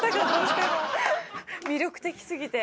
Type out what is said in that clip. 魅力的過ぎて。